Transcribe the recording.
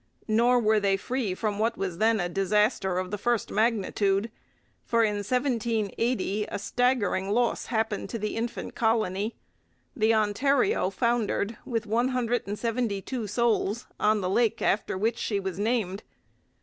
Nor were they free from what was then a disaster of the first magnitude; for in 1780 a staggering loss happened to the infant colony. The Ontario foundered with one hundred and seventy two souls on the lake after which she was named.